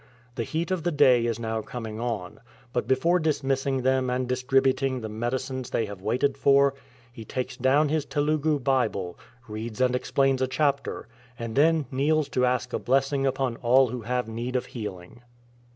The heat of the day is now coming on, but before dismissing them and distributing the medicines they have waited for, he takes down his Telugu Bible, reads and explains a chapter, and then kneels to ask a blessing upon all who have need of healing.